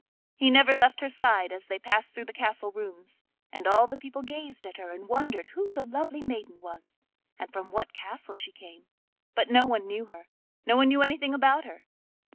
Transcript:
He never left her side as they passed through the castle rooms; and all the people gazed at her, and wondered who the lovely maiden was, and from what castle she came; but no one knew her—no one knew anything about her.